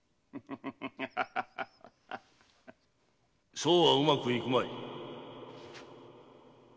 ・そうはうまくいくまい！